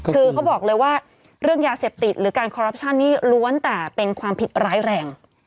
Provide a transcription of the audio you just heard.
คือเขาบอกเลยว่าเรื่องยาเสพติดหรือการคอรัปชั่นนี้ล้วนแต่เป็นความผิดร้ายแรง